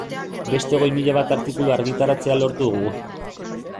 Beste hogei mila bat artikulu argitaratzea lortu dugu.